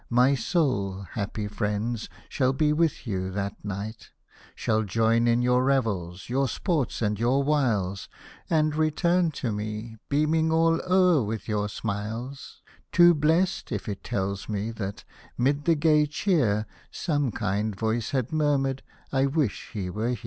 My soul, happy friends, shall be with you that night ; Shall join in your revels, your sports, and your wiles, And return to me, beaming all o'er with your smiles — Too blest, if it tells me that, 'mid the gay cheer Some kind voice had murmured, " I wish he were here